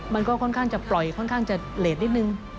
มันก็ค่อนข้างจะปล่อยค่อนข้างจะเลสนิดนึง